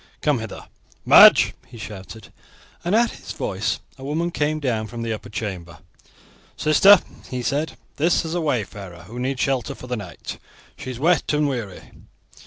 Come hither, Madge!" he shouted; and at his voice a woman came down from the upper chamber. "Sister," he said; "this is a wayfarer who needs shelter for the night; she is wet and weary.